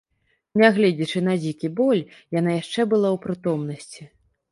Нягледзячы на дзікі боль, яна яшчэ была ў прытомнасці.